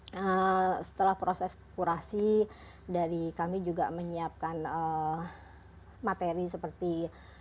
nah setelah proses kurasi dari kami juga menyiapkan materi seperti